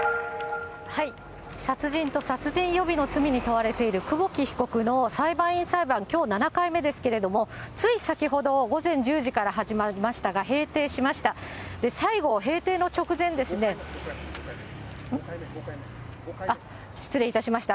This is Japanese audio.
殺人と殺人予備の罪に問われている久保木被告の裁判員裁判、きょう７回目ですけれども、つい先ほど午前１０時から始まりましたが、閉廷しました。